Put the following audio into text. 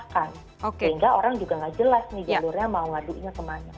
sehingga orang juga nggak jelas nih jalurnya mau ngadunya kemana